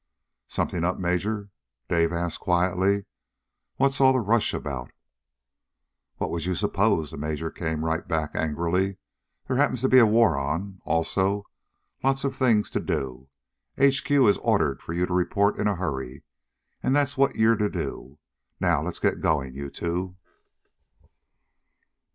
"Something up, Major?" Dave asked quietly. "What's all the rush about?" "What would you suppose?" the major came right back angrily. "There happens to be a war on. Also, lots of things to do. H.Q. has ordered for you to report in a hurry, and that's what you're to do. Now, let's get going, you two!"